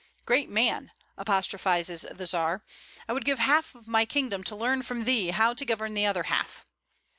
"Great man!" apostrophizes the Czar, "I would give half of my kingdom to learn from thee how to govern the other half."